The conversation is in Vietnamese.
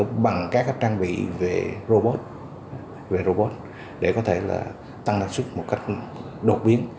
chúng tôi sẽ tự bằng các trang bị về robot để có thể tăng năng suất một cách đột biến